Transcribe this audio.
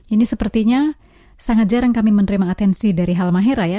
ini sepertinya sangat jarang kami menerima atensi dari halmahera ya